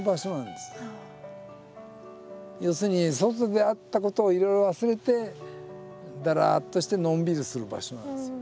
要するに外であったことをいろいろ忘れてだらっとしてのんびりする場所なんですよ。